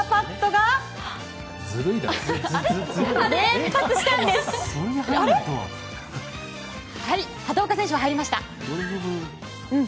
はい、畑岡選手は入りました。